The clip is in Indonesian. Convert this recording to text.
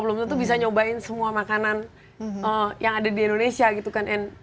belum tentu bisa nyobain semua makanan yang ada di indonesia gitu kan